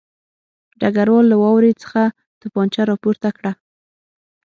ډګروال له واورې څخه توپانچه راپورته کړه